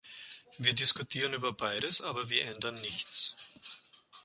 Wir diskutieren über beides, aber wir ändern nichts.